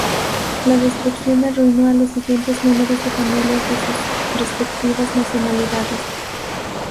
La destrucción arruinó a los siguientes números de familias de sus respectivas nacionalidades.